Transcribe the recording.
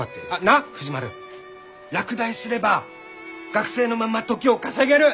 なあ藤丸落第すれば学生のまま時を稼げる！